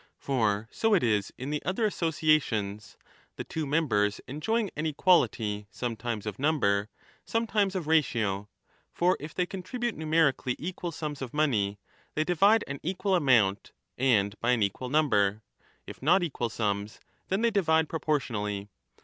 For so it is in the other associations, the two members enjoying an equality sometimes of number, some times of ratio. For if they contributed numerically equal sums of money, they divide an equal amount, and by an equal number ; if not equal sums, then they divide propor 15 tionally.